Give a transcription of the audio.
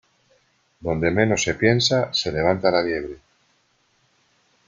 Donde menos se piensa, se levanta la liebre.